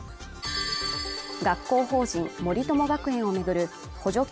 学校法人森友学園を巡る補助金